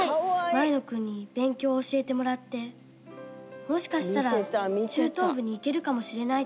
前野君に勉強教えてもらってもしかしたら中等部に行けるかもしれないと思って」